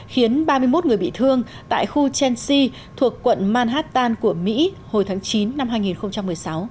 khiến ba mươi một người bị thương tại khu chensi thuộc quận manhattan của mỹ hồi tháng chín năm hai nghìn một mươi sáu